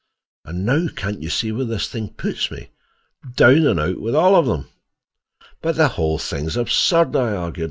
And now, can't you see where this thing puts me? Down and out, with all of them." "But the whole thing is absurd," I argued.